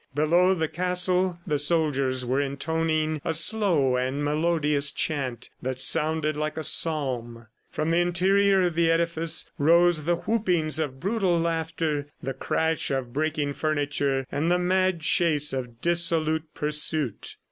Below the castle the soldiers were intoning a slow and melodious chant that sounded like a psalm. From the interior of the edifice rose the whoopings of brutal laughter, the crash of breaking furniture, and the mad chase of dissolute pursuit.